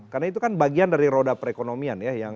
karena itu kan bagian dari roda perekonomian ya